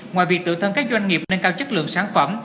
ngoài việc tự thân các doanh nghiệp nâng cao chất lượng sản phẩm